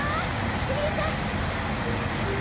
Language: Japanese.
すみれちゃん！